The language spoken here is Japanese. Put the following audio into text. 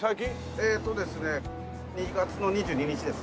えーっとですね２月の２２日です。